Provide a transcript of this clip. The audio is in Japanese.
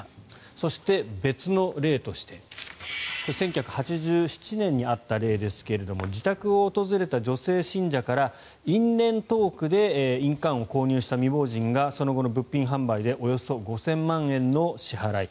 そして、別の例として１９８７年にあった例ですが自宅を訪れた女性信者から因縁トークで印鑑を購入した未亡人がその後の物品販売でおよそ５０００万円の支払い